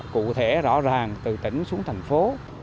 cụ thể rõ ràng từ tỉnh xuống thành phố